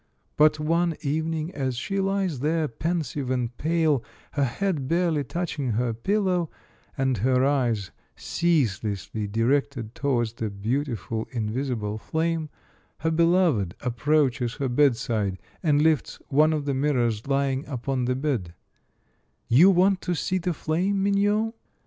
But one evening, as she lies there, pensive and pale, her head barely touching her pillow, and her eyes ceaselessly directed towards that beautiful invisible flame, her beloved approaches her bedside, and lifts one of the mirrors lying upon the bed: "You want to see the flame, mignonne